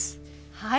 はい！